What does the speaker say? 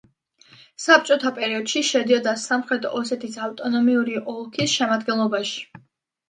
საბჭოთა პერიოდში შედიოდა სამხრეთ ოსეთის ავტონომიური ოლქის შემადგენლობაში.